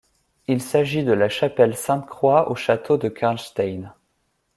Il s'agit de la chapelle Sainte-Croix au château de Karlštejn.